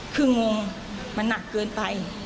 คืองงมันหนักเกินไป